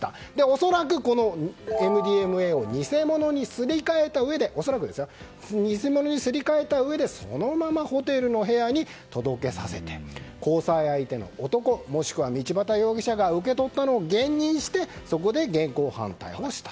恐らく、このＭＤＭＡを偽物にすり替えたうえでそのままホテルの部屋に届けさせて交際相手の男もしくは道端容疑者が受け取ったのを現認してそこで現行犯逮捕した。